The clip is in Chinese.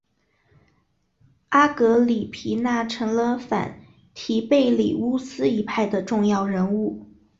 阿格里皮娜成了反提贝里乌斯一派的重要人物。